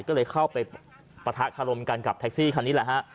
ก็เลยเข้าไปปะทะคารมกันกับแท็กซี่คันนี้แหละฮะ